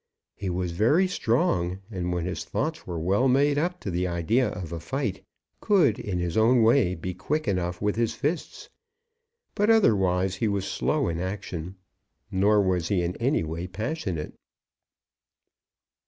He was very strong, and when his thoughts were well made up to the idea of a fight, could in his own way be quick enough with his fists; but otherwise he was slow in action, nor was he in any way passionate.